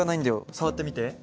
触ってみて。